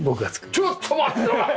ちょっと待った！